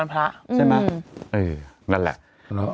นั่นแหละ